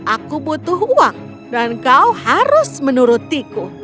aku butuh uang dan kau harus menurutiku